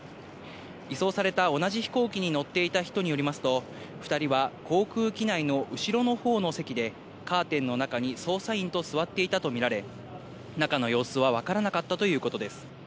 移送された同じ飛行機に乗っていた人によりますと、２人は航空機内の後ろのほうの席で、カーテンの中に捜査員と座っていたと見られ、中の様子は分からなかったということです。